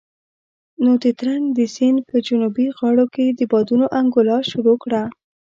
نو د ترنک د سيند په جنوبي غاړو کې بادونو انګولا شروع کړه.